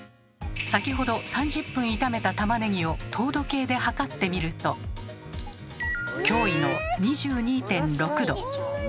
先ほど３０分炒めたたまねぎを糖度計で測ってみると驚異の２２．６度。